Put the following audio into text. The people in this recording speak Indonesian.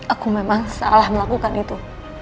aku memang salah melakukan itu